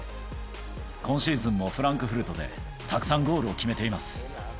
今シーズンもフランクフルトでたくさんゴールを決めています。